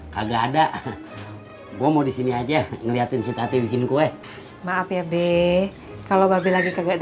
kagak ada gua mau di sini aja ngeliatin si tati bikin kue maaf ya be kalau lagi kagak